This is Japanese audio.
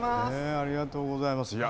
ありがとうございます。